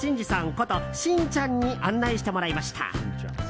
ことしんちゃんに案内してもらいました。